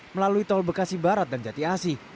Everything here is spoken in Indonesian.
melalui tol bekasi barat dan jati asi